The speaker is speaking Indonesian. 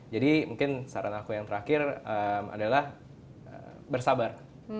mungkin saran aku yang terakhir adalah bersabar